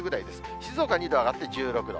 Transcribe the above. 静岡２度上がって１６度。